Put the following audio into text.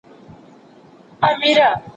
نه د ماشوم مخ ګوري، نه د شاه ليلا سينه